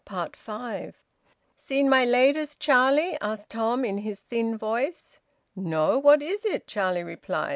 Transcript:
FIVE. "Seen my latest, Charlie?" asked Tom, in his thin voice. "No, what is it?" Charlie replied.